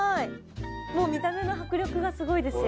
もう見た目の迫力がすごいですよ